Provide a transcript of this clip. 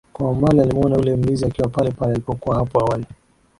Kwa mbali alimuona yule mlinzi akiwa palepale alipokuwa hapo awali